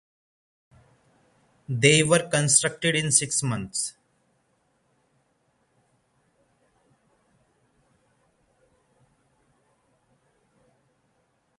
They were constructed in six months.